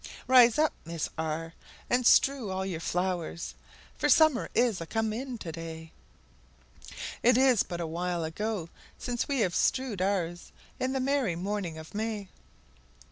Rise up, Miss , and strew all your flowers, For summer is a come in to day; It is but a while ago since we have strewed ours, In the merry morning of May!